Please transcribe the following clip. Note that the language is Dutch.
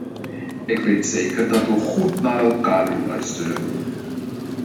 Ik weet zeker dat we goed naar elkaar luisteren.